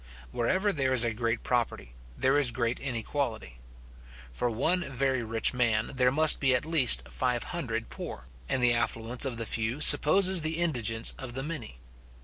Wherever there is a great property, there is great inequality. For one very rich man, there must be at least five hundred poor, and the affluence of the few supposes the indigence of the many.